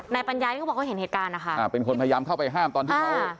ปัญญานี่เขาบอกเขาเห็นเหตุการณ์นะคะอ่าเป็นคนพยายามเข้าไปห้ามตอนที่เขา